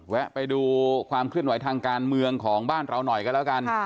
ไปดูความเคลื่อนไหวทางการเมืองของบ้านเราหน่อยกันแล้วกัน